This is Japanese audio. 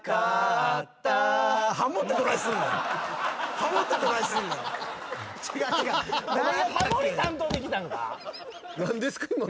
ハモってどないすんねん！